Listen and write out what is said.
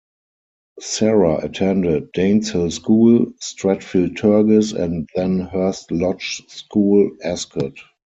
Sarah attended Daneshill School, Stratfield Turgis and then Hurst Lodge School, Ascot.